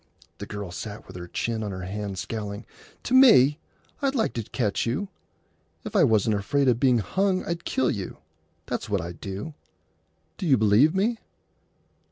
The girl sat with her chin on her hand, scowling. "To me! I'd like to catch you! If I wasn't afraid o' being hung I'd kill you. That's what I'd do. D'you believe me?"